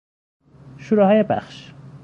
شوراهای بخش